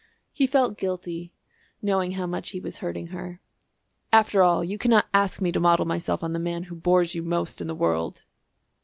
He felt guilty, knowing how much he was hurting her. "After all you cannot ask me to model myself on the man who bores you most in the world."